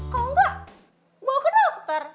kalau enggak bawa ke dokter